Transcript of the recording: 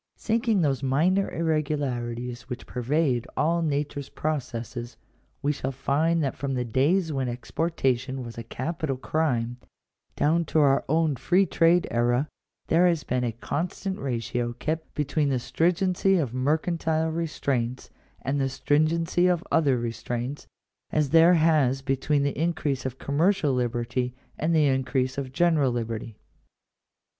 Sinking those minor irregularities which pervade all nature's processes, we shall find that from the days when ex portation was a capital crime, down to our own free trade era, there has been a constant ratio kept between the stringency of mercantile restraints and the stringency of other restraints, as there has between the increase of commercial liberty and the increase of general liberty.